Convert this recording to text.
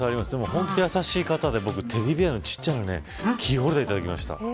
本当に優しい方で僕、テディベアのキーホルダーいただきました。